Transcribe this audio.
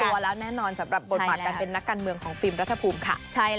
ตัวแล้วแน่นอนสำหรับบทบาทการเป็นนักการเมืองของฟิล์มรัฐภูมิค่ะ